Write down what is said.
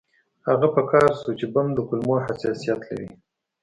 هغه په قهر شو چې بم د کلمو حساسیت لري